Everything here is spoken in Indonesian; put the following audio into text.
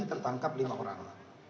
tertangkap lima orang